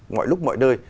mọi lúc mọi nơi